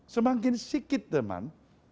semakin sikit teman